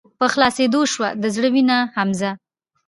په خلاصيدو شــوه د زړه وينه حمزه